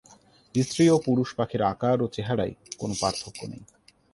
স্ত্রী ও পুরুষ পাখির আকার ও চেহারায় কোন পার্থক্য নেই।